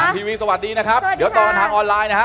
ทีวีสวัสดีนะครับเดี๋ยวต่อกันทางออนไลน์นะฮะ